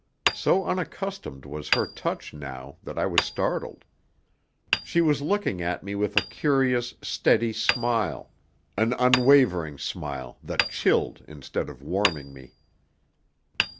So unaccustomed was her touch now that I was startled. She was looking at me with a curious, steady smile an unwavering smile that chilled instead of warming me.